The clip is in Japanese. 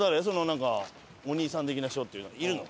なんかお兄さん的な人っていうのはいるの？